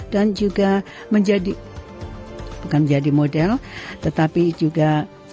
dan juga menjadi bukan menjadi model tetapi juga